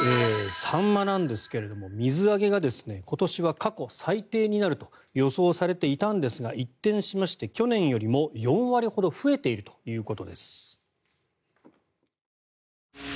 サンマなんですが水揚げが今年は過去最低になると予想されていたんですが一転しまして去年よりも４割ほど増えているということです。